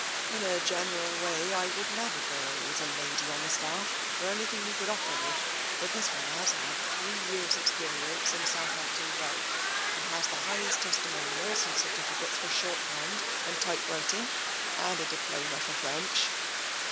'* In a general way, I wouldn't have a girl who is a lady on the staff for anything you could offer me, but this one has had three years' ex perience in Southampton Row, and has the highest testimonials, and certificates for shorthand and type writing and a diploma for French."